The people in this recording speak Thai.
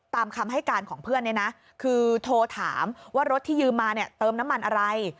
ตามคำให้การของเพื่อนเนี่ยนะคือโทรถามว่ารถที่ยืมมาเนี่ยเติมน้ำมันอะไร